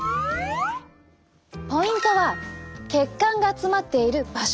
ポイントは血管が集まっている場所。